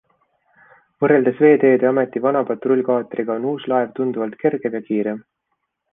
Võrreldes veeteede ameti vana patrullkaatriga on uus laev tunduvalt kergem ja kiirem.